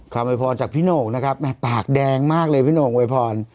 ความไว้พรจากพี่โหนกนะครับแม่ปากแดงมากเลยพี่โหนกไว้พร